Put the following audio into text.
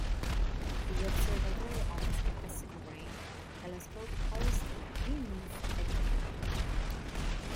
The observatory owns a Cassegrain telescope housed beneath a dome.